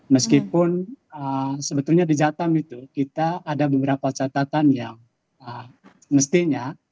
meskipun sebetulnya di jatam itu kita ada beberapa catatan yang mestinya